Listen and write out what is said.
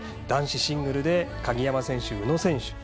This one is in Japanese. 男子シングルで鍵山選手、宇野選手。